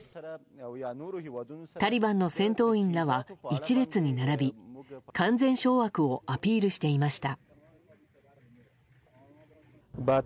タリバンの戦闘員らは１列に並び完全掌握をアピールしていました。